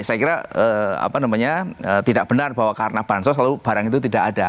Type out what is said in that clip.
saya kira tidak benar bahwa karena bansos lalu barang itu tidak ada